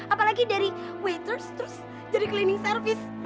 apalagi dari waitress terus jadi cleaning service